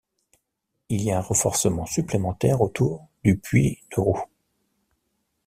Il y a un renforcement supplémentaire autour du puits de roue.